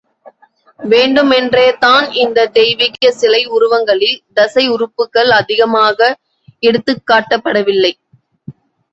வேண்டுமென்றே தான் இந்தத் தெய்வீக சிலை உருவங்களில் தசை உறுப்புக்கள் அதிகமாக எடுத்துக்காட்டப்படவில்லை.